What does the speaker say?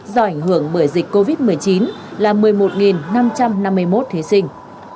do ảnh hưởng bởi dịch covid một mươi chín là một mươi một năm trăm năm mươi một thí sinh